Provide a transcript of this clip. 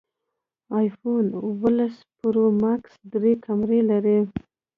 ایفون اوولس پرو ماکس درې کمرې لري